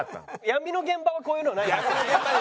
闇の現場はこういうのないですか？